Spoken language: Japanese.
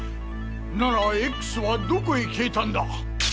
ならＸはどこへ消えたんだ？